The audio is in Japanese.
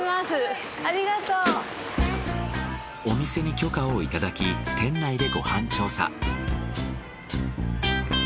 お店に許可をいただき店内でご飯調査。